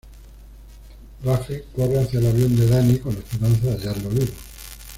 Rafe corre hacia el avión de Danny con la esperanza de hallarlo vivo.